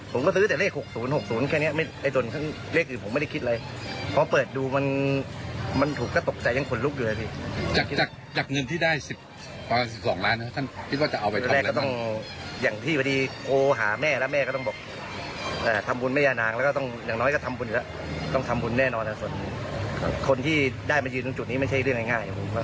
คนที่ได้มันยืนตรงจุดนี้ไม่ใช่เรื่องง่าย